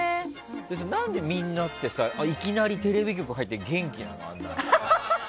何でみんなってさいきなりテレビ局入って元気なの？